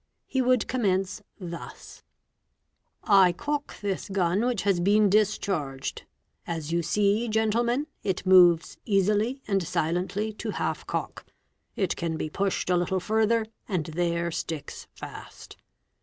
He would commence thus :—''I cock this gun which has been discharged ; as you see, gentle men, it moves easily and silently to half cock ; it can be pushed a little further and there sticks fast.